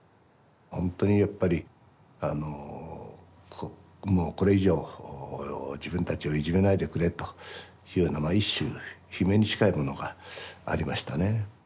本当にやっぱりあのもうこれ以上自分たちをいじめないでくれというような一種悲鳴に近いものがありましたね。